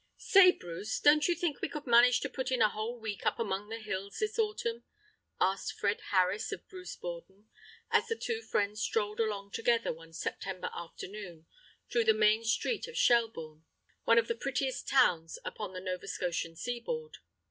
* "Say, Bruce, don't you think we could manage to put in a whole week up among the hills this autumn?" asked Fred Harris of Bruce Borden, as the two friends strolled along together one September afternoon through the main street of Shelburne, one of the prettiest towns upon the Nova Scotian sea board.